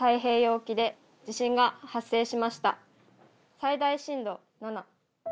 最大震度７。